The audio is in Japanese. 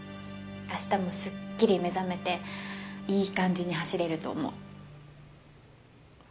明日もすっきり目覚めていい感じに走れると思う。